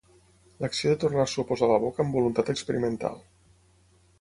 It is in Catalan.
L'acció de tornar-s'ho a posar a la boca amb voluntat experimental.